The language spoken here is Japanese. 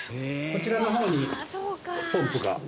こちらの方にポンプが。